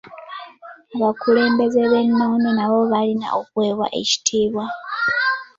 Abakulembeze b'ennono nabo balina okuweebwa ekitiibwa.